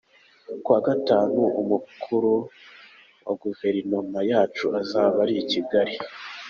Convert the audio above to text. “Ku wa Gatanu umukuru wa Guverinoma yacu azaba ari i Kigali.